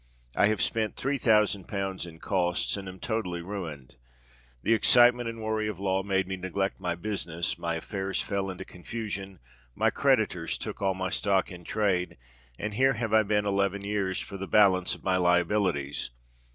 I have spent three thousand pounds in costs—and am totally ruined. The excitement and worry of law made me neglect my business: my affairs fell into confusion—my creditors took all my stock in trade—and here have I been eleven years for the balance of my liabilities.